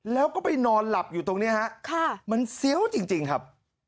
แล้วก็ไปนอนหลับอยู่ตรงนี้ฮะมันเสียวจริงครับ